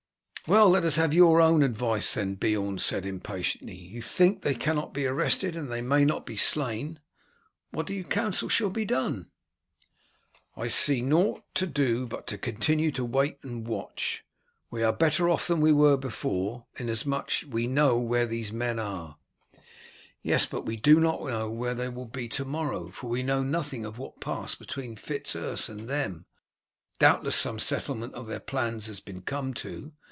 "Well, let us have your own advice, then," Beorn said impatiently. "You think they cannot be arrested and they may not be slain. What do you counsel shall be done!" "I see nought to do but to continue to wait and to watch. We are better off than we were before, inasmuch as we know where these men are." "Yes, but we do not know where they will be to morrow, for we know nothing of what passed between Fitz Urse and them; doubtless some settlement of their plans has been come to.